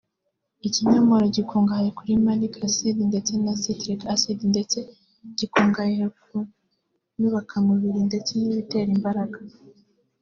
Ikinyomoro gikungahaye kuri malic acid ndetse na citric acid ndetse gikungahaye ku nyubakamubiri ndetse n’ibitera imbaraga